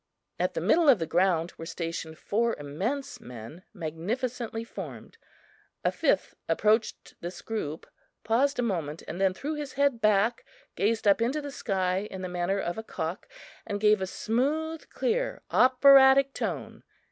At the middle of the ground were stationed four immense men, magnificently formed. A fifth approached this group, paused a moment, and then threw his head back, gazed up into the sky in the manner of a cock and gave a smooth, clear operatic tone.